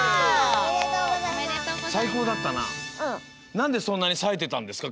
なんでそんなにさえてたんですか？